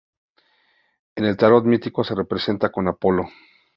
En el tarot mítico se le representa con Apolo.